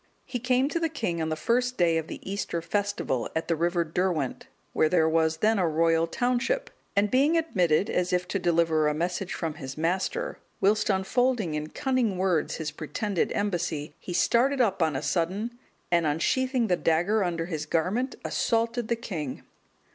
He came to the king on the first day of the Easter festival,(214) at the river Derwent, where there was then a royal township,(215) and being admitted as if to deliver a message from his master, whilst unfolding in cunning words his pretended embassy, he started up on a sudden, and unsheathing the dagger under his garment, assaulted the king.